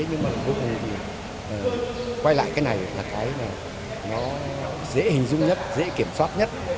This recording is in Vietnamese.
nhưng mà lúc mình quay lại cái này là cái nó dễ hình dung nhất dễ kiểm soát nhất